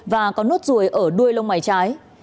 và có nốt ruồi ở đuôi lông mày trái